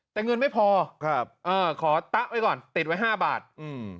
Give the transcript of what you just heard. แต่เงินไม่พอครับเออขอตะไว้ก่อนติดไว้ห้าบาทอืม